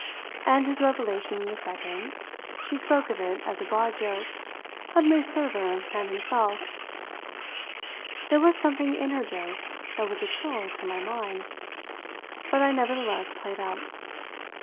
"And his revelation in the second" she spoke of it as a broad joke "of May Server and himself." There was something in her joke that was a chill to my mind; but I nevertheless played up.